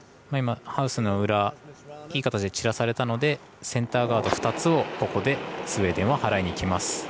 ハウスの裏いい形で散らされたのでセンターガード２つをここでスウェーデンは払いにいきます。